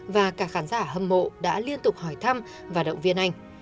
và cả khán giả hâm mộ đã liên tục hỏi thăm và động viên anh